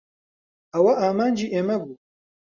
ئەوە ئامانجی ئێمە بوو.